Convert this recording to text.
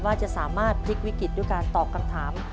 ว่าจะสามารถพลิกวิกฤตด้วยการตอบคำถาม